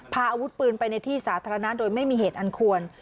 พาอาวุธปืนไปในที่สาธารณะโดยไม่มีเหตุอันควร